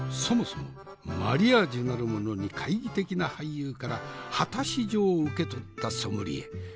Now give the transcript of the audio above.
そもそもマリアージュなるものに懐疑的な俳優から果たし状を受け取ったソムリエ。